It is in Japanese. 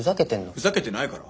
ふざけてないから。